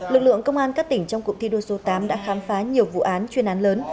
lực lượng công an các tỉnh trong cụm thi đua số tám đã khám phá nhiều vụ án chuyên án lớn